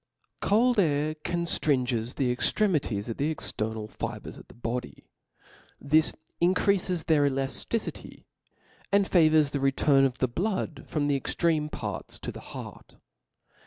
A Cold air ♦ conftringes the extremities of the ^^ external fibres of the body ; this increafes their elaflicicy, and favors the return of the blood from the extreme parts to the heart.